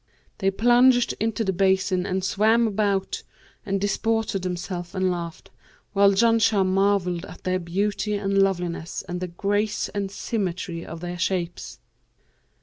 They plunged into the basin and swam about and disported themselves and laughed, while Janshah marvelled at their beauty and loveliness and the grace and symmetry of their shapes.